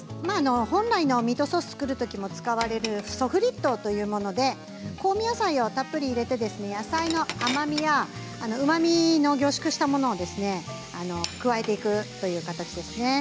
本来のミートソースを作るときに使われるソフリットということで、香味野菜をたくさん入れて、野菜の甘みやうまみの凝縮したものを加えていくという形ですね。